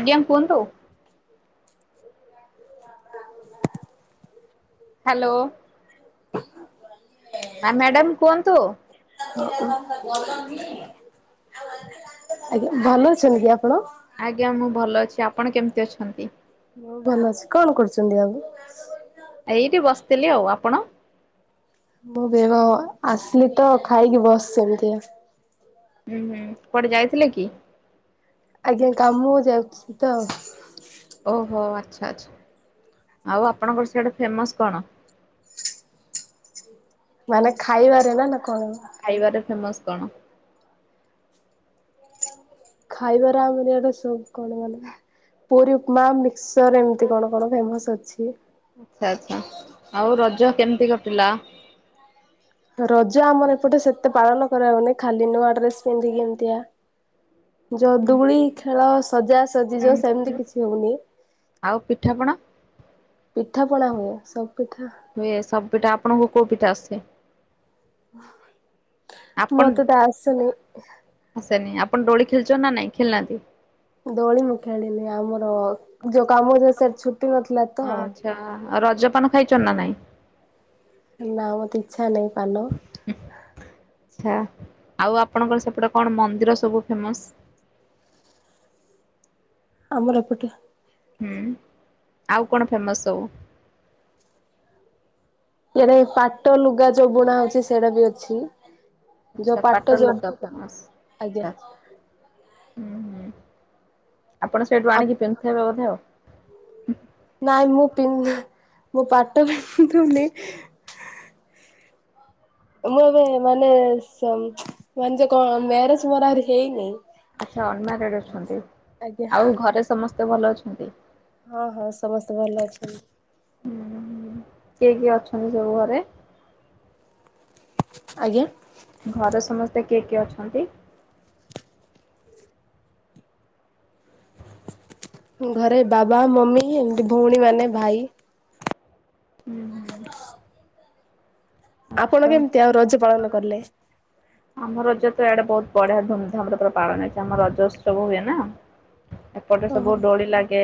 ଆଜ୍ଞା, କୁଅନ୍ତୁ। [unintelligible] ହ୍ୟାଲୋ। [unintelligible] ଆ ମ୍ୟାଡ଼ାମ୍ କୁଅନ୍ତୁ। ଆଜ୍ଞା, ଭଲ ଅଛନ୍ତି ଆପଣ? ଆଜ୍ଞା ମୁଁ ଭଲ ଅଛି। ଆପଣ କେମିତି ଅଛନ୍ତି? ମୁଁ ଭଲ ଅଛି। କଣ କରୁଛନ୍ତି ଆଉ? ଏଇଠି ବସିଥିଲି ଆଉ। ଆପଣ? ମୁଁ ବି ବଅ ଆସିଲି ତ ଖାଇକି ବସିଲି ଟିକେ। ହୁଁ ହୁଁ। କୁଆଡେ ଯାଇଥିଲେ କି? ଆଜ୍ଞା, କାମୁକୁ ଯାଉଛି ତ ଆଉ। ଓହୋ ଆଚ୍ଛା ଆଚ୍ଛା। ଆଉ ଆପଣଙ୍କର ସେଇଟା ଫେମସ୍ କଣ? ମାନେ ଖାଇବାରେ ନା? ନା କଣ? ଖାଇବାରେ ଫେମସ୍ କଣ? ଖାଇବାର ଆଉ ମାନେ ଇୟାରୁ ସେକ୍ କଣ? ମାନେ ପୁରୀ, ଉକମା, ମିକ୍ ସର୍ ଏମିତି କଣ କଣ ଫେମସ୍ ଅଛି? ଆଚ୍ଛା ଆଚ୍ଛା। ଆଉ ରଜ କେମତି କଟିଲା? ରଜ ଆମର ଏପଟେ ସେତେ ପାଳନ କରାଯାଉନି। ଖାଲି ନୂଆ ଡ୍ରେସ୍ ପିନ୍ଧିକି ଏମିତିଆ। ଯଦୁ ଗୁଳି ଖେଳ ସଜାସଜି ଯୋଉଁ ହୁଁ ସେମତି କିଛି ହଉନି। ଆଉ, ପିଠାପଣା? ପିଠା ପଣା ହୁଏ ସବ୍ ପିଠା। ହୁଏ ସବ୍ ପିଠା। ଆପଣଙ୍କୁ କୋଉ ପିଠା ଆସେ? ମତେ ତ ଆସୁନି, ହସେ ନାଁ ଆପଣ ଦୈଳି ଖେଳଛ ନା ଖେଳନାନ୍ତି? ଦୈଳି ମୁଁ ଖେଳିଲି ଆମର ଯୋଉ କାମ ସେ‌ ଛୁଟି ନଥିଲା ତ, ଏ ହଁ ଆଉ ରଜପାନ ଖାଇଛ ନା ନାଇଁ? ନା ମତେ ଇଚ୍ଛା ନାହିଁ ପାନ, ଆଚ୍ଛା ଆଉ ଆପଣଙ୍କର ସେପଟେ କଣ ମନ୍ଦିର ସବୁ ଫେମସ୍? ଅମର ଏପଟ? ହୁଁ ଆଉ କଣ ଫେମସ୍ ସବୁ? ଇଆରେ ପାଟ ଲୁଗା ଯୋଉ ବୁଣା ହଉଛି ସେଇଟା ବି ଅଛି, ଯୋଉ ଆଚ୍ଛା ପାଟ ଯୋଉ ଲୁଗା ଫେମସ୍ ଆଜ୍ଞା ଆଚ୍ଛା, ହୁଁ-ହୁଁ ଆପଣ ସେଇଠୁ ଆ ଆଣିକି ପିନ୍ଧବେ ଥିବେ ବୋଧେ ଆଉ? ନାଇଁ ମୁଁ ପିନ୍ଧେ ମୁଁ ପାଟ ପିନ୍ଧୁନି, ଏ ମୋର ଏ ମାନେ ସେଇ ମାନେ ଯୋଉ କଣ ନା ମ୍ୟାରେଜ ମୋର ଆରେ ହେଇନେହି, ଆଚ୍ଛା ଅନମାରେଡ୍ ଅଛନ୍ତି ଆଜ୍ଞା ଆଉ ଘରେ ସମସ୍ତେ ଭଲ ଅଛନ୍ତି,? ହଁ-ହଁ ସମସ୍ତେ ଭଲ ଅଛନ୍ତି। ହୁଁ କିଏ-କିଏ ଅଛନ୍ତି ସବୁ ଘରେ? ଆଜ୍ଞା, ଘରେ ସମସ୍ତେ କିଏ-କିଏ ଅଛନ୍ତି? ହୁଁ ଘରେ ବାବା ମମି ଏମିତି ଭଉଣୀ ମାନେ ଭାଇ, ହୁଁ ହୁଁ, ଆପଣ ଆଚ୍ଛା। କେମିତି ଆଉ ରଜ ପାଳନ କଲେ? ଆମ ରଜ ତ ଏଆଡ଼େ ବହୁତ୍ ବଢ଼ିଆ ଧୁମଧାମରେ ପୁର ପାଳନ ହେଇଛି ଆମ ରଜ ଉତ୍ସବ ହୁଏ ନା, ଏପଟେ ଓହୋ ସବୁ ଡୋଳି ଲାଗେ,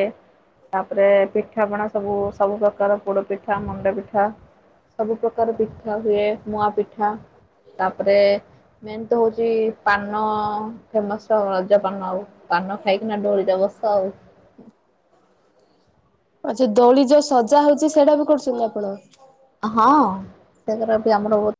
ତାପରେ ପିଠାପଣା ସବୁ-ସବୁ ପ୍ରକାର ପୋଡ଼ ପିଠା, ମୁଣ୍ଡ ପିଠା, ସବୁ ପ୍ରକାର ପିଠା ହୁଏ ମୁଆ ପିଠା ତାପରେ, ମେନ୍ ତ ହଉଛି ପାନ ଫେମସ ରଜ ପାନ ଆଉ, ପାନ ଖାଇକିନା ଦୈଳି ରେ ବସ ଆଉ, ଆଚ୍ଛା ଦୈଳି ଯୋଉ ସଜା ହଉଛି ସେଇଟା ବି କରୁଛନ୍ତି ଆପଣ? ହଁ ସେଗର ବି ଆମର ବହୁତ୍,